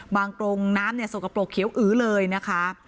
บางตรงน้ำเนี่ยสกปรกเขียวอื้อเลยนะคะ